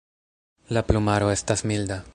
La plumaro estas milda.